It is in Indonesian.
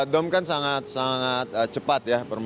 dom kan sangat sangat cepat ya